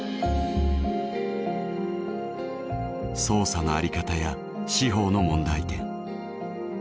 捜査のあり方や司法の問題点